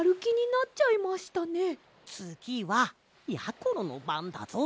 つぎはやころのばんだぞ。